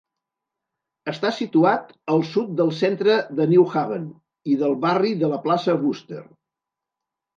Està situat al sud del centre de New Haven i del barri de la plaça Wooster.